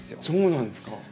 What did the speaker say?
そうなんですか。